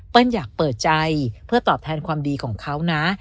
อยากเปิดใจเพื่อตอบแทนความดีของเขานะ